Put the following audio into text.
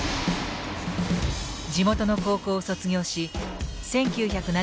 地元の高校を卒業し１９７８年に上京。